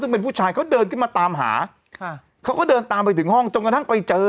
ซึ่งเป็นผู้ชายก็เดินตามถึงค่าเดินไปถึงห้องจงกระทั่งไปเจอ